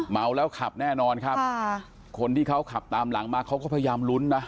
เมาแล้วขับแน่นอนครับค่ะคนที่เขาขับตามหลังมาเขาก็พยายามลุ้นนะ